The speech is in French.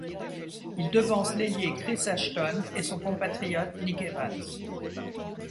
Il devance l'ailier Chris Ashton et son compatriote Nick Evans.